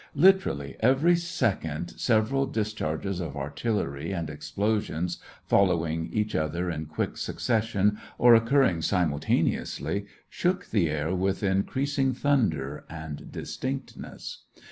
Literally, every second several dis charges of artillery and explosions, following each other in quick succession or occurring simultane ously, shook the air with increasing thunder and distinctness.